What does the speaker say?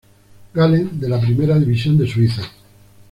Gallen, de la primera división de Suiza.